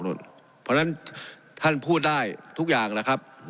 เพราะฉะนั้นท่านพูดได้ทุกอย่างแหละครับ